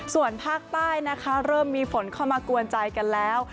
ส่วนภาคใต้นะคะเริ่มมีฝนเข้ามากวนใจกันแล้ว